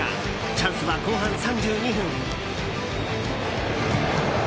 チャンスは後半３２分。